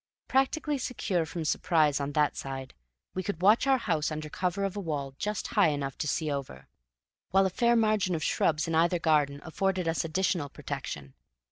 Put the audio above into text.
Practically secure from surprise on that side, we could watch our house under cover of a wall just high enough to see over, while a fair margin of shrubs in either garden afforded us additional protection.